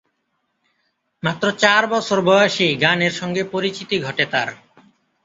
মাত্র চার বছর বয়সেই গানের সঙ্গে পরিচিতি ঘটে তার।